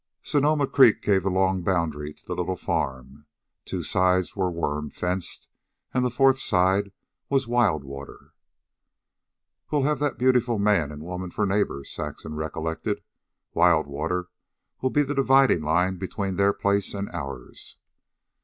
Sonoma Creek gave the long boundary to the little farm, two sides were worm fenced, and the fourth side was Wild Water. "Why, we'll have that beautiful man and woman for neighbors," Saxon recollected. "Wild Water will be the dividing line between their place and ours."